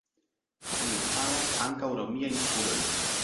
Ĝi enhavas ankaŭ romiajn spuroj.